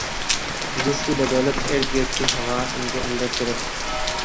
جس کی بدولت ارد گرد کی ہوا ان کے اندر صرف